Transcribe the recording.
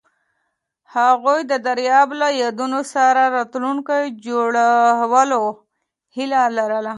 هغوی د دریاب له یادونو سره راتلونکی جوړولو هیله لرله.